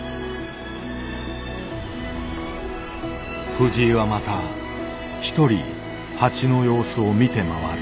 藤井はまたひとり蜂の様子を見て回る。